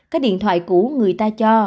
cái điện thoại cũ người ta cho